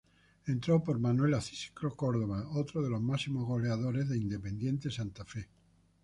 Entró por Manuel Acisclo Córdoba, otro de los máximos goleadores de Independiente Santa Fe.